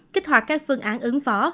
kích hoạt các phương án ứng phó